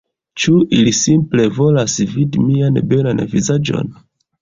Ĉu ili simple volas vidi mian belan vizaĝon?